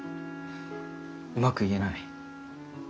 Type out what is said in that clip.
うまく言えない。